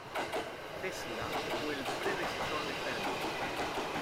Tesla fue el predecesor de Fermi.